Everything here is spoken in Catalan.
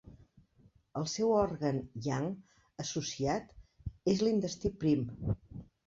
El seu òrgan yang associat és l'intestí prim.